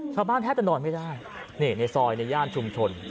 แทบจะนอนไม่ได้นี่ในซอยในย่านชุมชน